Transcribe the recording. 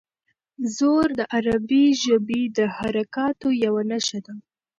زور د عربي ژبې د حرکاتو یوه نښه ده.